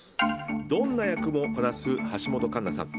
どんな役もこなす橋本環奈さん。